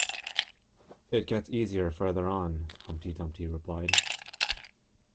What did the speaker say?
‘It gets easier further on,’ Humpty Dumpty replied.